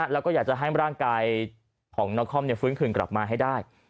แล้วก็อยากจะให้ร่างกายของนครฟื้นคืนกลับมาให้ได้